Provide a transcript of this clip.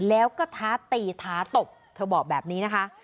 แล้วก็ท้าตีท้าตบเธอบอกแบบนี้นะคะ